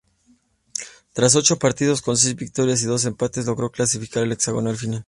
Tras ocho partidos, con seis victorias y dos empates, logró clasificar al hexagonal final.